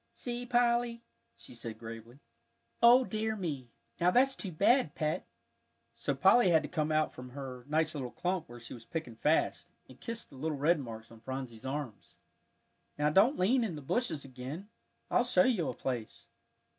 "See, Polly," she said gravely. "O dear me, now that's too bad, Pet!" So Polly had to come out from her nice little clump where she was picking fast, and kiss the little red marks on Phronsie's arms. "Now don't lean in the bushes again; I'll show you a place.